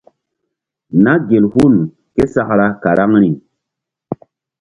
Na gel hul késakra karaŋri.